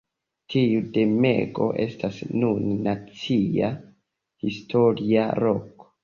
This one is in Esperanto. Tiu domego estas nune Nacia Historia Loko.